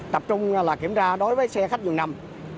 tập trung là kiểm tra đối với xe khách vườn nằm